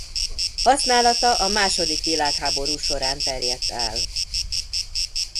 Használata a második világháború során terjedt el.